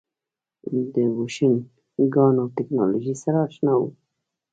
د بوشنګانو ټکنالوژۍ سره اشنا وو.